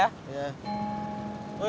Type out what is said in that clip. woy bang buruan bang dawetnya